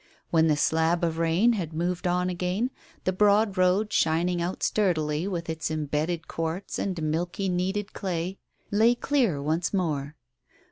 When the slab of rain had moved on again, the broad road, shining out sturdily with its embedded quartz and milky kneaded clay, lay clear once more.